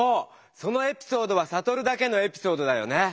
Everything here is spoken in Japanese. そのエピソードはサトルだけのエピソードだよね。